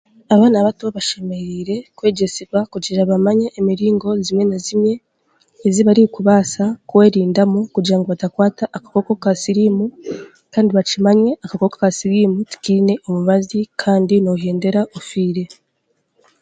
Abaana bato basheemereire kwegyesibwa kugira bamanye emiringo zimwe na zimwe ezibarikubaasa kwerindamu kugira ngu batakwata akakooko ka siriimu kandi bakimye akakooko ka siriimu tikaine mubazi kandi noohendera ofaire.